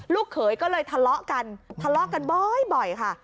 เขยก็เลยทะเลาะกันทะเลาะกันบ่อยค่ะ